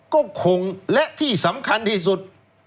ก็คงและที่สำคัญที่สุด